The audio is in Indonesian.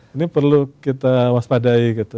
ini perlu kita waspadai gitu